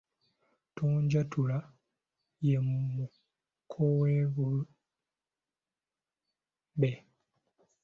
Tonjatula ye mukoweewumbe.